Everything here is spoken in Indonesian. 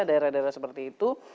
daerah daerah seperti itu